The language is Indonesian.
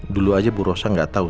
dulu aja bu rosa gak tau